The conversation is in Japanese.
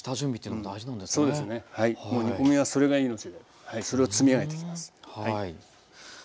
もう煮込みはそれが命でそれを積み上げていきます。